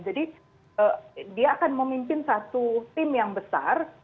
jadi dia akan memimpin satu tim yang besar